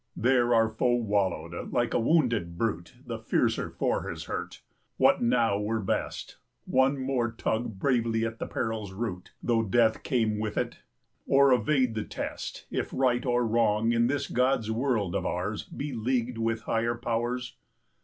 There our foe wallowed, like a wounded brute 25 The fiercer for his hurt. What now were best? Once more tug bravely at the peril's root, Though death came with it? Or evade the test If right or wrong in this God's world of ours Be leagued with higher powers?